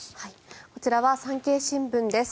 こちらは産経新聞です。